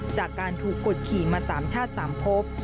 จากการถูกกดขี่มาสามชาติสามพบ